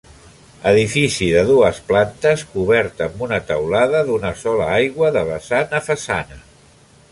Edifici de dues plantes cobert amb una teulada d'una sola aigua de vessant a façana.